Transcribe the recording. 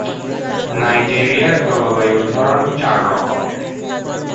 নাইজেরিয়ার জলবায়ুর ধরন চার রকমের।